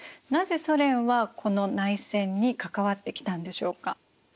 なぜソ連はこの内戦に関わってきたんでしょうか？